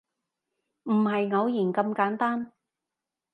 唔係偶然咁簡單